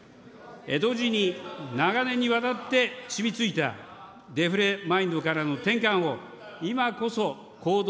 同時に、長年にわたって染みついたデフレマインドからの転換を今こそ行動